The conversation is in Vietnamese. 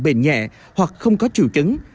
bệnh nhẹ hoặc không có triều chứng